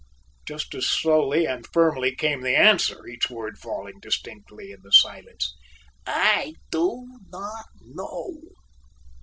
Just as slowly and firmly came the answer, each word falling distinctly in the stillness. "I do not know."